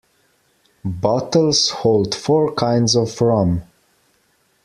Bottles hold four kinds of rum.